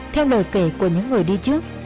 theo lời kể của những người đi trước